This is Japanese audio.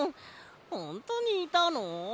ほんとにいたの？